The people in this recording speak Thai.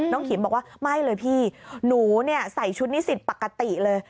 น้องขิมบอกว่าไม่เลยพี่หนูใส่ชุดนิสิตปกติเลย